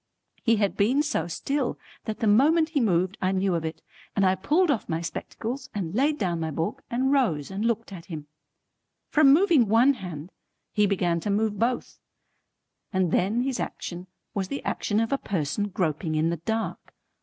He had been so still, that the moment he moved I knew of it, and I pulled off my spectacles and laid down my book and rose and looked at him. From moving one hand he began to move both, and then his action was the action of a person groping in the dark.